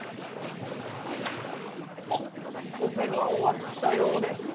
あっオペが終わったようです。